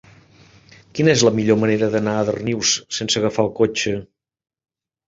Quina és la millor manera d'anar a Darnius sense agafar el cotxe?